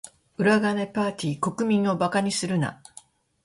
裏金パーティ？国民を馬鹿にするな。